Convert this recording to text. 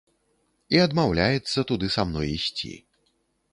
І адмаўляецца туды са мной ісці.